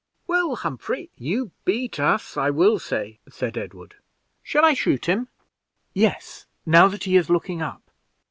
"Well, Humphrey, you beat us, I will say," said Edward. "Shall I shoot him?" "Yes, now that he is looking up."